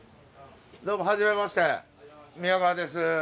どうもはじめまして宮川です。